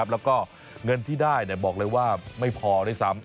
แล้วก็เงินที่ได้บอกเลยว่าไม่พอด้วยซ้ำ